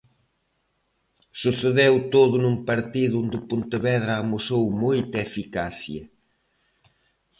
Sucedeu todo nun partido onde o Pontevedra amosou moita eficacia.